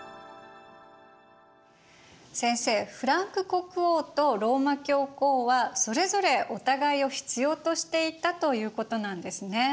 先生フランク国王とローマ教皇はそれぞれお互いを必要としていたということなんですね。